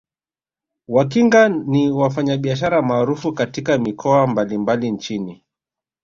Wakinga ni wafanyabiashara maarufu katika mikoa mbalimbali nchini